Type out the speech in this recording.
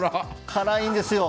辛いんですよ。